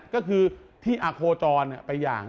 ก็คือที่อาโคจรไปอย่าง